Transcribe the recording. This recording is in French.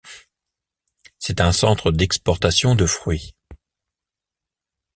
C'est un centre d'exportation de fruits.